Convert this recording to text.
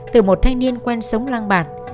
từ một thanh niên quen sống lang bạc